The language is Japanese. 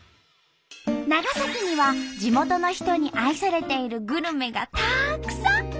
長崎には地元の人に愛されているグルメがたくさん！